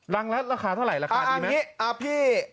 รังละราคาเท่าไหร่ราคาดีไหมพี่